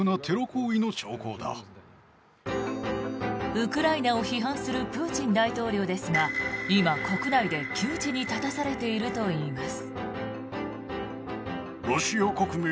ウクライナを批判するプーチン大統領ですが今、国内で窮地に立たされているといいます。